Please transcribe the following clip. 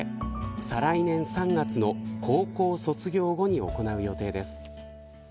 再来年３月の高校卒業後に行う予定です。